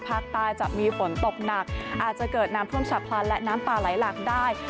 ภาคใต้จะมีฝนตกหนักอาจจะเกิดน้ำท่วมฉับพลันและน้ำป่าไหลหลากได้